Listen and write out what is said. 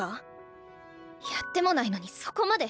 やってもないのにそこまで。